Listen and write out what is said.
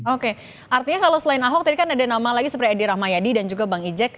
oke artinya kalau selain ahok tadi kan ada nama lagi seperti edi rahmayadi dan juga bang ijek